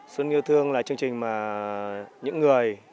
xuân yêu thương là chương trình mà những người